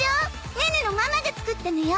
ネネのママが作ったのよ